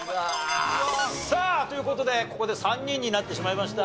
さあという事でここで３人になってしまいました。